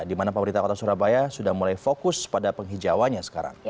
di mana pemerintah kota surabaya sudah mulai fokus pada penghijauannya sekarang